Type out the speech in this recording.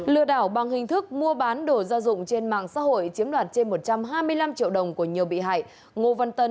lừa đảo bằng hình thức mua bán đồ gia dụng trên mạng xã hội chiếm đoạt trên một trăm hai mươi năm triệu đồng của nhiều bị hại